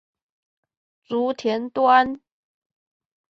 竹田端